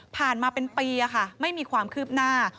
ผ่านมาเป็นปีค่ะไม่มีความคืบหน้า